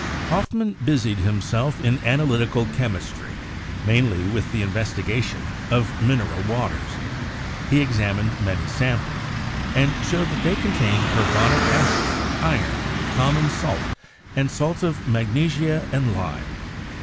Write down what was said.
Hoffmann busied himself in analytical chemistry mainly with the investigation of mineral waters. He examined many samples, and showed that they contained carbonic acid, iron, common salt and salts of magnesia and lime.